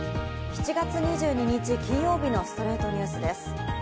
７月２２日、金曜日の『ストレイトニュース』です。